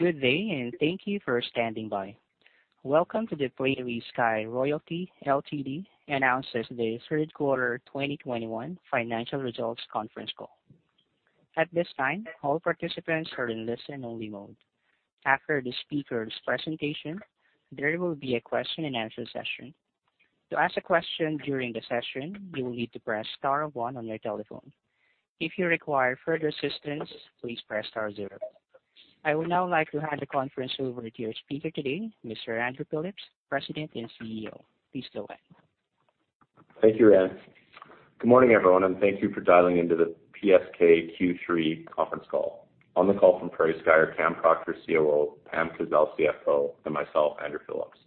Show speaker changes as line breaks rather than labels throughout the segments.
Good day and thank you for standing by. Welcome to the PrairieSky Royalty Ltd. announces the third quarter 2021 financial results conference call. At this time, all participants are in listen-only mode. After the speaker's presentation, there will be a question-and-answer session. To ask a question during the session, you will need to press star one on your telephone. If you require further assistance, please press star zero. I would now like to hand the conference over to your speaker today, Mr. Andrew Phillips, President and CEO. Please go ahead.
Thank you, Anne. Good morning, everyone, and thank you for dialing into the PSK Q3 conference call. On the call from PrairieSky are Cameron Proctor, COO, Pam Kazeil, CFO, and myself, Andrew Phillips.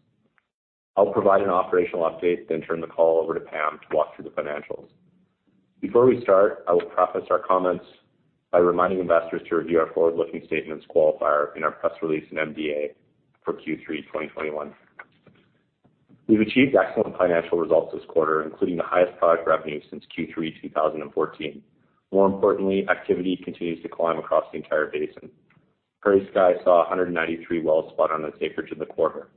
I'll provide an operational update, then turn the call over to Pam to walk through the financials. Before we start, I will preface our comments by reminding investors to review our forward-looking statements qualifier in our press release in MDA for Q3 2021. We've achieved excellent financial results this quarter, including the highest product revenue since Q3 2014. More importantly, activity continues to climb across the entire basin. PrairieSky saw 193 wells spud on the acreage in the quarter.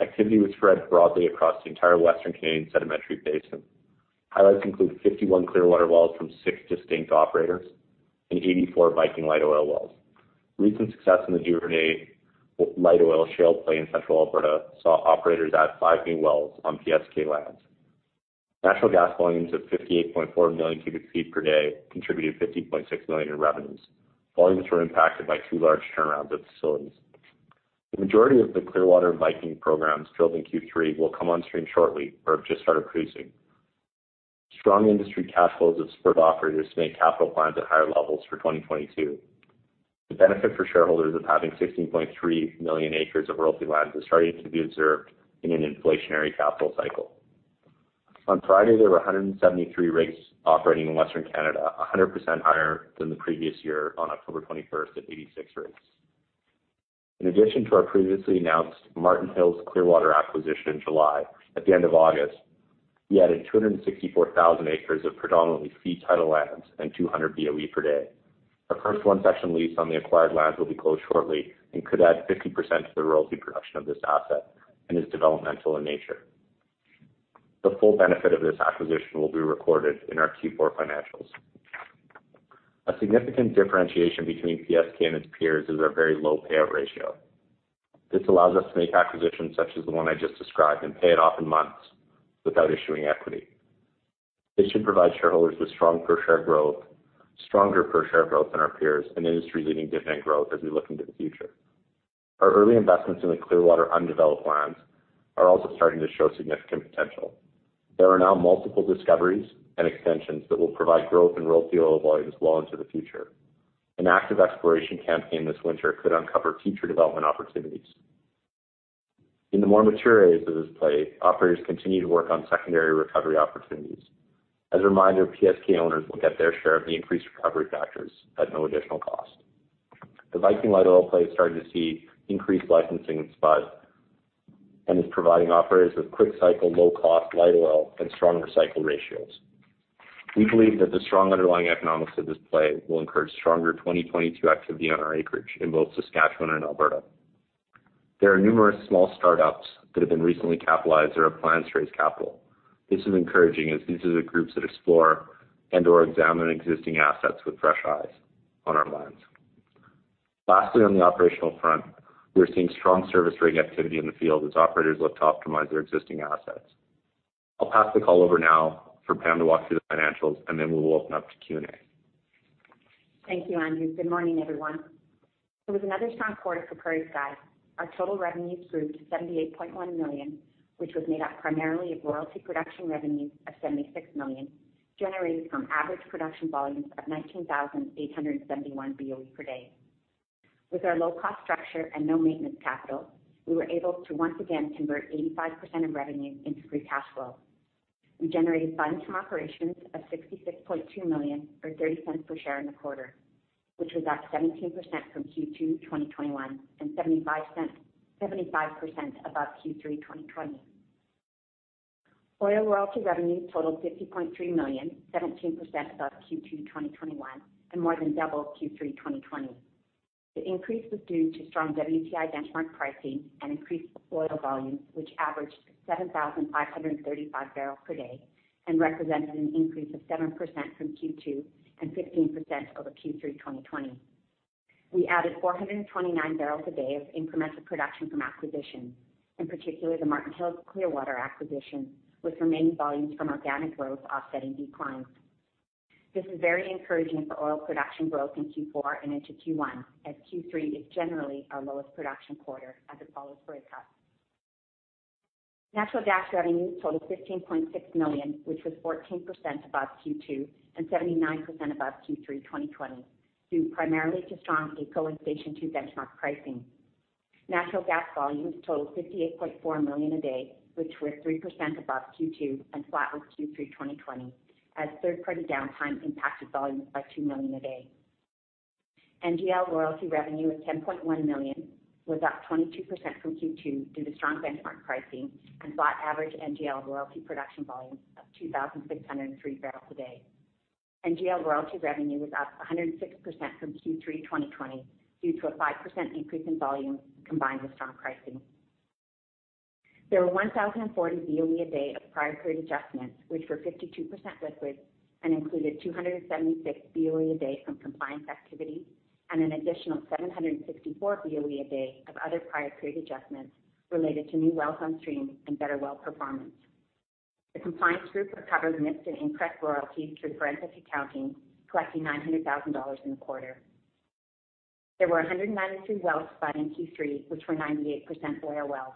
Activity was spread broadly across the entire Western Canadian sedimentary basin. Highlights include 51 Clearwater wells from six distinct operators and 84 Viking light oil wells. Recent success in the Duvernay light oil shale play in Central Alberta saw operators add five new wells on PSK lands. Natural gas volumes of 58.4 million cu ft per day contributed 50.6 million in revenues. Volumes were impacted by two large turnarounds at facilities. The majority of the Clearwater Viking programs drilled in Q3 will come on stream shortly or have just started cruising. Strong industry cash flows have spurred operators to make capital plans at higher levels for 2022. The benefit for shareholders of having 16.3 million acres of royalty lands is starting to be observed in an inflationary capital cycle. On Friday, there were 173 rigs operating in Western Canada, 100% higher than the previous year on October 21st at 86 rigs. In addition to our previously announced Martin Hills Clearwater acquisition in July, at the end of August, we added 264,000 acres of predominantly fee title lands and 200 BOE per day. The first one section lease on the acquired lands will be closed shortly and could add 50% to the royalty production of this asset and is developmental in nature. The full benefit of this acquisition will be recorded in our Q4 financials. A significant differentiation between PSK and its peers is our very low payout ratio. This allows us to make acquisitions such as the one I just described and pay it off in months without issuing equity. This should provide shareholders with strong per share growth, stronger per share growth than our peers, and industry-leading dividend growth as we look into the future. Our early investments in the Clearwater undeveloped lands are also starting to show significant potential. There are now multiple discoveries and extensions that will provide growth in royalty oil volumes well into the future. An active exploration campaign this winter could uncover future development opportunities. In the more mature areas of this play, operators continue to work on secondary recovery opportunities. As a reminder, PSK owners will get their share of the increased recovery factors at no additional cost. The Viking light oil play is starting to see increased licensing spud and is providing operators with quick cycle, low cost light oil and stronger cycle ratios. We believe that the strong underlying economics of this play will encourage stronger 2022 activity on our acreage in both Saskatchewan and Alberta. There are numerous small startups that have been recently capitalized or have plans to raise capital. This is encouraging as these are the groups that explore and/or examine existing assets with fresh eyes on our lands. Lastly, on the operational front, we're seeing strong service rig activity in the field as operators look to optimize their existing assets. I'll pass the call over now for Pam to walk through the financials, and then we will open up to Q&A.
Thank you, Andrew. Good morning, everyone. It was another strong quarter for PrairieSky. Our total revenues grew to 78.1 million, which was made up primarily of royalty production revenues of 76 million, generated from average production volumes of 19,871 BOE per day. With our low-cost structure and no maintenance capital, we were able to once again convert 85% of revenue into free cash flow. We generated funds from operations of 66.2 million or 0.30 per share in the quarter, which was up 17% from Q2 2021 and 75% above Q3 2020. Oil royalty revenue totaled 50.3 million, 17% above Q2 2021 and more than double Q3 2020. The increase was due to strong WTI benchmark pricing and increased oil volumes, which averaged 7,535 barrels per day and represented an increase of 7% from Q2 and 15% over Q3 2020. We added 429 barrels a day of incremental production from acquisition, in particular the Martin Hills Clearwater acquisition, with remaining volumes from organic growth offsetting declines. This is very encouraging for oil production growth in Q4 and into Q1, as Q3 is generally our lowest production quarter as it follows break-up. Natural gas revenue totaled 15.6 million, which was 14% above Q2 and 79% above Q3 2020, due primarily to strong AECO Station two benchmark pricing. Natural gas volumes totaled 58.4 million a day, which were 3% above Q2 and flat with Q3 2020, as third-party downtime impacted volumes by 2 million a day. NGL royalty revenue of 10.1 million was up 22% from Q2 due to strong benchmark pricing and flat average NGL royalty production volumes of 2,603 barrels a day. NGL royalty revenue was up 106% from Q3 2020 due to a 5% increase in volume combined with strong pricing. There were 1,040 BOE a day of prior period adjustments, which were 52% liquid and included 276 BOE a day from compliance activity and an additional 764 BOE a day of other prior period adjustments related to new wells on stream and better well performance. The compliance group recovered missed and incorrect royalties through forensic accounting, collecting 900,000 dollars in the quarter. There were 192 wells spudded in Q3, which were 98% oil wells.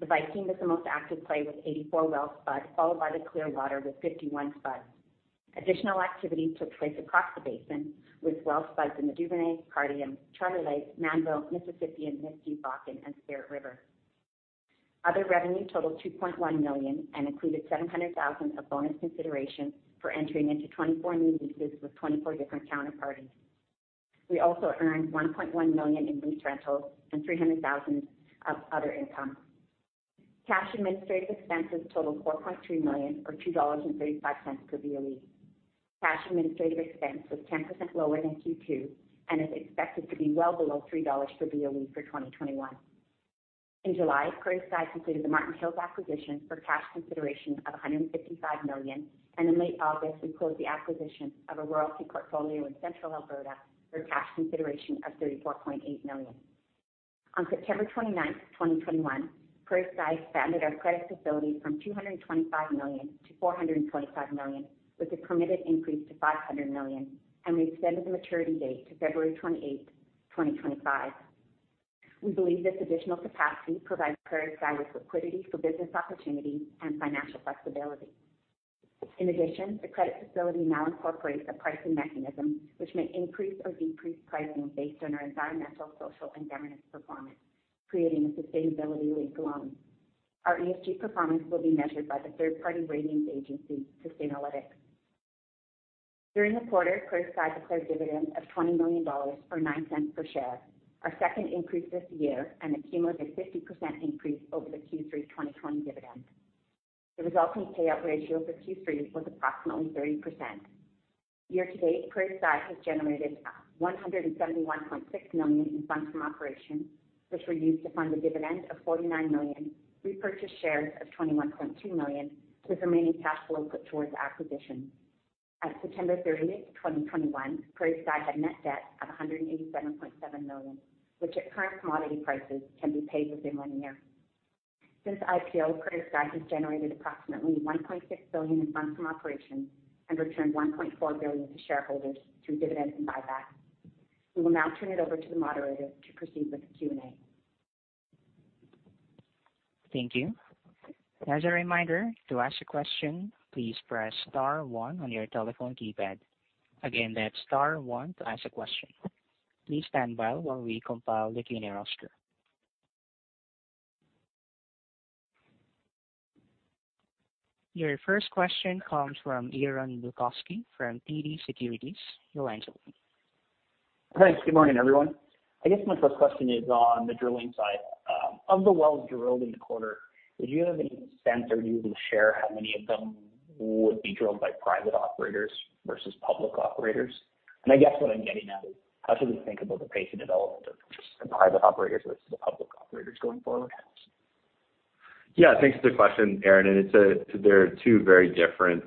The Viking was the most active play with 84 wells spud, followed by the Clearwater with 51 spuds. Additional activity took place across the basin, with wells spudded in the Duvernay, Cardium, Charlie Lake, Mannville, Mississippian, Montney, Bakken and Spirit River. Other revenue totaled 2.1 million and included 700,000 of bonus consideration for entering into 24 new leases with 24 different counterparties. We also earned 1.1 million in lease rentals and 300,000 of other income. Cash administrative expenses totaled 4.3 million or 2.35 dollars per BOE. Cash administrative expense was 10% lower than Q2 and is expected to be well below 3 dollars per BOE for 2021. In July, PrairieSky completed the Martin Hills acquisition for cash consideration of 155 million. In late August, we closed the acquisition of a royalty portfolio in central Alberta for cash consideration of CAD 34.8 million. On September 29, 2021, PrairieSky expanded our credit facility from 225 million-425 million, with a permitted increase to 500 million, and we extended the maturity date to February 28, 2025. We believe this additional capacity provides PrairieSky with liquidity for business opportunities and financial flexibility. In addition, the credit facility now incorporates a pricing mechanism which may increase or decrease pricing based on our environmental, social and governance performance, creating a sustainability-linked loan. Our ESG performance will be measured by the third-party ratings agency, Sustainalytics. During the quarter, PrairieSky declared dividend of 20 million dollars or 0.09 per share, our second increase this year and a cumulative 50% increase over the Q3 2020 dividend. The resulting payout ratio for Q3 was approximately 30%. Year to date, PrairieSky has generated 171.6 million in funds from operations, which were used to fund a dividend of 49 million, repurchase shares of 21.2 million, with remaining cash flow put towards acquisitions. At September 30th, 2021, PrairieSky had net debt of 187.7 million, which at current commodity prices can be paid within one year. Since IPO, PrairieSky has generated approximately 1.6 billion in funds from operations and returned 1.4 billion to shareholders through dividends and buybacks. We will now turn it over to the moderator to proceed with the Q&A.
Thank you. As a reminder, to ask a question, please press star one on your telephone keypad. Again, that's star one to ask a question. Please stand by while we compile the Q&A roster. Your first question comes from Aaron Bilkoski from TD Securities. Your line's open.
Thanks. Good morning, everyone. I guess my first question is on the drilling side. Of the wells drilled in the quarter, did you have any sense or you can share how many of them would be drilled by private operators versus public operators? I guess what I'm getting at is, how should we think about the pace of development of just the private operators versus the public operators going forward?
Yeah, thanks. Good question, Aaron. There are two very different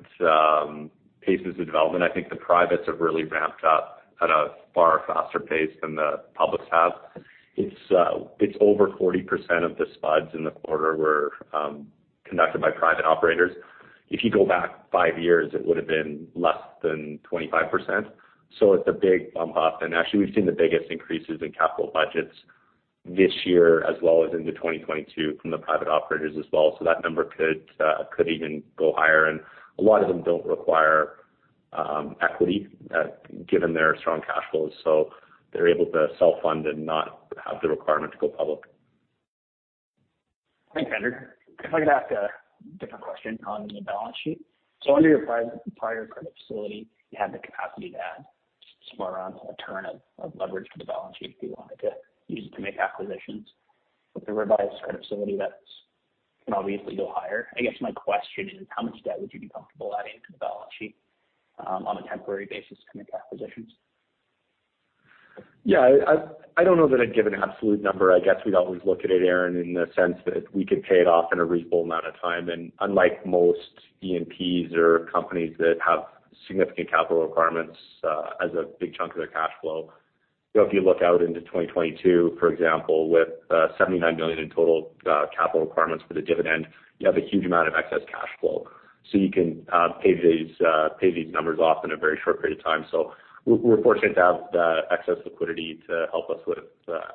paces of development. I think the privates have really ramped up at a far faster pace than the publics have. It's over 40% of the spuds in the quarter were conducted by private operators. If you go back five years, it would have been less than 25%. It's a big bump up. Actually, we've seen the biggest increases in capital budgets this year as well as into 2022 from the private operators as well. That number could even go higher. A lot of them don't require equity given their strong cash flows, so they're able to self-fund and not have the requirement to go public.
Thanks, Andrew. If I could ask a different question on the balance sheet. Under your prior credit facility, you had the capacity to add somewhere around a turn of leverage to the balance sheet if you wanted to use it to make acquisitions. With the revised credit facility, that can obviously go higher. I guess my question is, how much debt would you be comfortable adding to the balance sheet on a temporary basis to make acquisitions?
Yeah, I don't know that I'd give an absolute number. I guess we'd always look at it, Aaron, in the sense that we could pay it off in a reasonable amount of time. Unlike most E&Ps or companies that have significant capital requirements as a big chunk of their cash flow, you know, if you look out into 2022, for example, with 79 million in total capital requirements for the dividend, you have a huge amount of excess cash flow. You can pay these numbers off in a very short period of time. We're fortunate to have the excess liquidity to help us with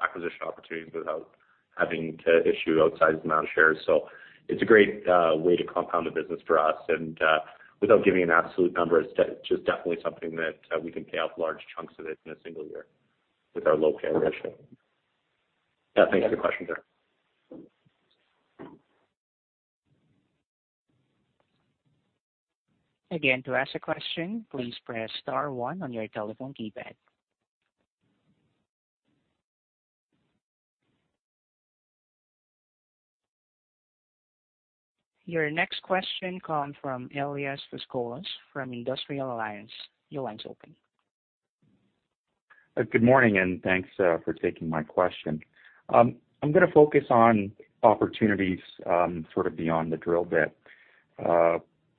acquisition opportunities without having to issue outsized amount of shares. It's a great way to compound the business for us. Without giving an absolute number, it's just definitely something that we can pay off large chunks of it in a single year with our low carry ratio. Yeah. Thanks for your question, sir.
Again, to ask a question, please press star one your telephone keypad. Your next question comes from Elias Foscolos from Industrial Alliance Securities. Your line's open.
Good morning, and thanks for taking my question. I'm gonna focus on opportunities, sort of beyond the drill bit.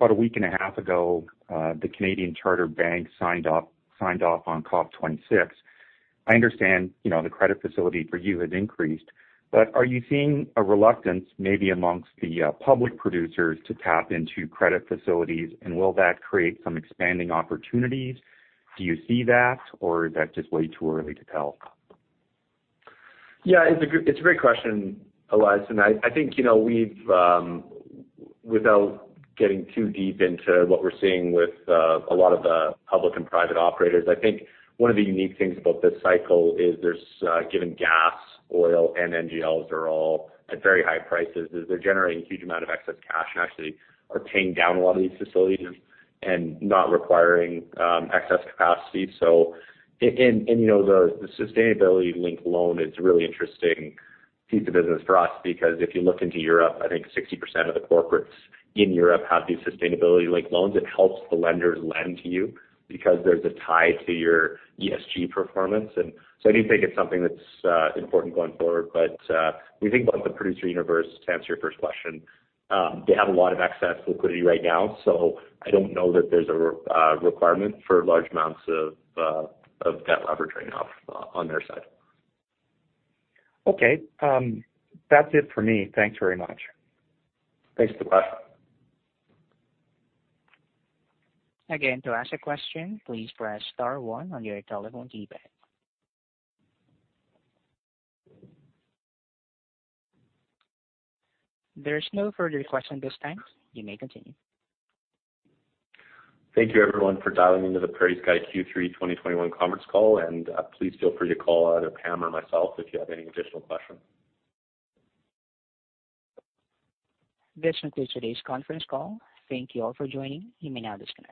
About a week and a half ago, the Canadian chartered bank signed off on COP26. I understand, you know, the credit facility for you has increased, but are you seeing a reluctance maybe amongst the public producers to tap into credit facilities? Will that create some expanding opportunities? Do you see that? Is that just way too early to tell?
Yeah, it's a great question, Elias. And I think, you know, we've without getting too deep into what we're seeing with a lot of the public and private operators, I think one of the unique things about this cycle is there's given gas, oil, and NGLs are all at very high prices, is they're generating huge amount of excess cash and actually are paying down a lot of these facilities and not requiring excess capacity. So, and, you know, the sustainability-linked loan is a really interesting piece of business for us because if you look into Europe, I think 60% of the corporates in Europe have these sustainability-linked loans. It helps the lenders lend to you because there's a tie to your ESG performance. I do think it's something that's important going forward. When you think about the producer universe, to answer your first question, they have a lot of excess liquidity right now, so I don't know that there's a requirement for large amounts of debt leverage right now on their side.
Okay. That's it for me. Thanks very much.
Thanks, Elias.
Again, to ask a question, please press star one on your telephone keypad. There is no further questions at this time. You may continue.
Thank you everyone for dialing into the PrairieSky Q3 2021 conference call. Please feel free to call either Pam or myself if you have any additional questions.
This concludes today's conference call. Thank you all for joining. You may now disconnect.